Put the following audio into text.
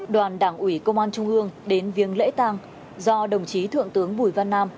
đoàn đảng ủy công an trung ương đến viếng lễ tang do đồng chí thượng tướng bùi văn nam